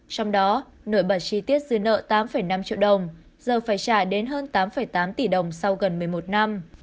trong đó nội bài chi tiết dư nợ tám năm triệu đồng giờ phải trả đến hơn tám tám tỷ đồng sau gần một mươi một năm